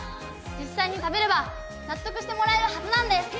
実際に食べれば納得してもらえるはずなんです！